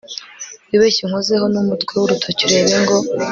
wibeshye unkozeho numutwe wurutoki urebe ngo